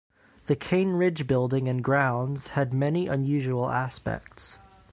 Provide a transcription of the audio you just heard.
The Cane Ridge building and grounds had many unusual aspects.